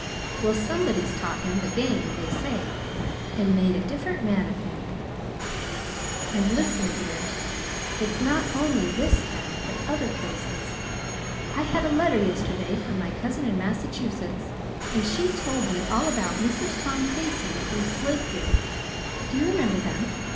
Well, somebody's taught him the game, they say, and made a different man of him. And listen, dear. It's not only this town, but other places. I had a letter yesterday from my cousin in Massachusetts, and she told me all about Mrs. Tom Payson that used to live here. Do you remember them?